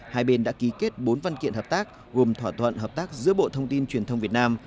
hai bên đã ký kết bốn văn kiện hợp tác gồm thỏa thuận hợp tác giữa bộ thông tin truyền thông việt nam